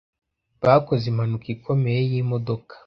bakoze impanuka ikomeye y’imodoka